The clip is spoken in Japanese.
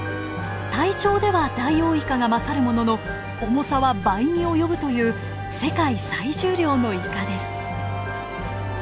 体長ではダイオウイカが勝るものの重さは倍に及ぶという世界最重量のイカです。